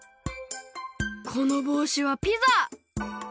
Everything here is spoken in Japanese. このぼうしはピザ！